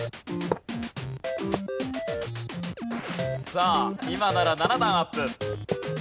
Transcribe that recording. さあ今なら７段アップ。